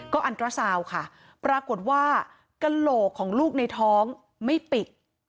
ก็อันตราซาวค่ะปรากฏว่ากระโหลกของลูกในท้องไม่ปิด